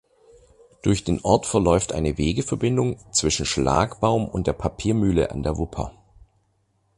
Durch den Ort verläuft eine Wegeverbindung zwischen Schlagbaum und der Papiermühle an der Wupper.